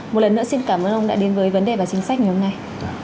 một lần nữa xin cảm ơn ông đã đến với vấn đề và chính sách ngày hôm nay